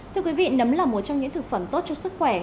thưa quý vị nấm là một trong những thực phẩm tốt cho sức khỏe